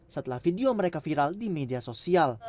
setelah video mereka viral di media sosial